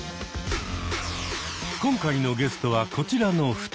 今回のゲストはこちらの２人。